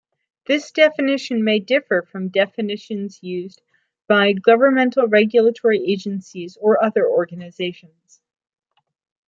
This definition may differ from definitions used by governmental regulatory agencies or other organizations.